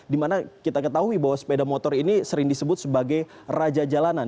dimana kita ketahui bahwa sepeda motor ini sering disebut sebagai raja jalanan